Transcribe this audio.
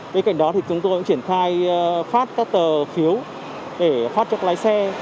bên cạnh đó thì chúng tôi vẫn triển khai phát các tờ phiếu để phát cho lái xe